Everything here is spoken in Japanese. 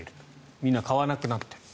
みんな買わなくなっている。